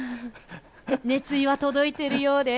熱意は届いているようです。